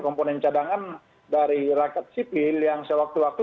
komponen cadangan dari rakyat sipil yang sewaktu waktu